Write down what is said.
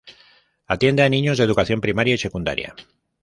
Atiende a niños de educación primaria y secundaria.